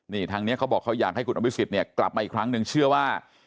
นี่ทางนี้เขาบอกเขาอยากให้คุณอภิษฎเนี่ยกลับมาอีกครั้งหนึ่งเชื่อว่า